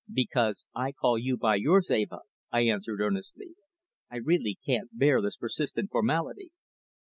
"Because I call you by yours, Eva," I answered earnestly. "I really can't bear this persistent formality."